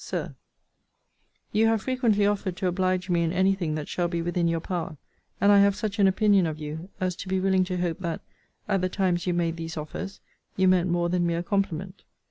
SIR, You have frequently offered to oblige me in any thing that shall be within your power: and I have such an opinion of you, as to be willing to hope that, at the times you made these offers, you meant more than mere compliment.